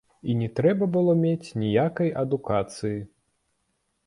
І не трэба было мець ніякай адукацыі.